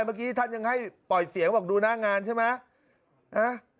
เมื่อกี้ท่านยังให้ปล่อยเสียงบอกดูหน้างานใช่ไหม